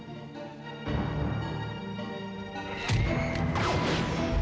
dewi sawitri dan sarpala